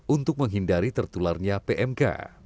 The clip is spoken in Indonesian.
untuk menghindari tertularnya pmk